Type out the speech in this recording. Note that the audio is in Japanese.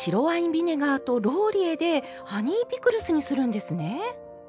ビネガーとローリエでハニーピクルスにするんですね。